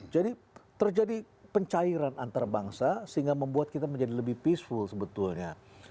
jadi terjadi pencairan antarabangsa sehingga membuat kita menjadi lebih peaceful sebetulnya